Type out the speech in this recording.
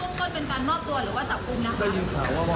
แต่ไม่ทราบว่าหาการเข้าไปบ้านแล้วก็เดี๋ยวก็ตัดโทรสำานี่